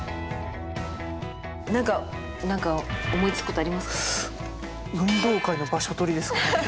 何か何か思いつくことありますか？